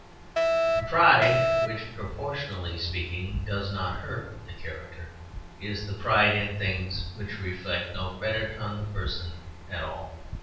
The pride which, proportionally speaking, does not hurt the character, is the pride in things which reflect no credit on the person at all.